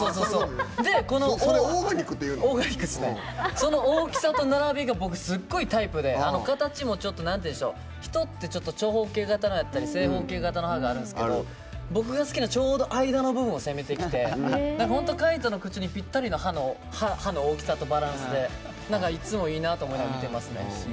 で、その大きさと並びが僕、すごいタイプで、形も人って長方形型やったり正方形の歯があるんですけど僕が好きな、ちょうど間を攻めてきて海人の口にぴったりな歯の大きさとバランスでいつもいいなって思いながら見てますね。